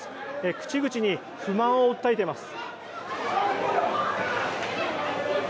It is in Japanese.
口々に不満を訴えています。